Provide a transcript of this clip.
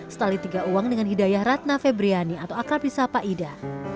setali tiga uang dengan hidayah ratna febriani atau akrab di sapa ida